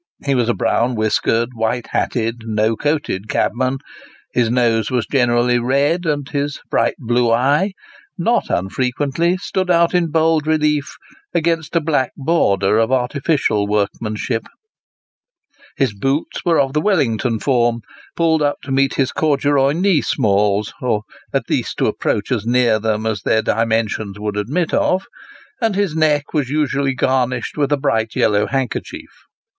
He was a brown whiskered, white hatted, no coated cabman ; his nose was generally red, and his bright blue eye not unfrequently stood out in bold relief against a black border of artificial workmanship ; his boots were of the Wellington form, pulled up to meet his corduroy knee smalls, or at least to approach as near them as their dimensions would admit of; and his neck was usually garnished with a bright yellow handkerchief.